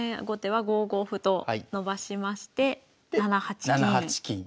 後手は５五歩と伸ばしまして７八金。